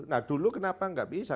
nah dulu kenapa nggak bisa